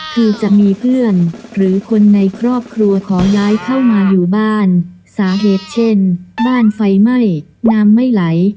คือจะมีเพื่อนหรือคนในครอบครัวขอย้ายเข้ามาอยู่บ้านสาเหตุเช่นบ้านไฟไหม้น้ำไม่ไหล